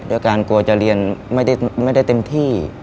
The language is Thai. การกลัวจะเรียนไม่ได้เต็มที่